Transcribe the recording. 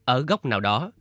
ở góc nào đó